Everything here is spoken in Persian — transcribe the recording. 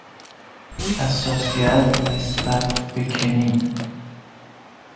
حساسیت نسبت به کنین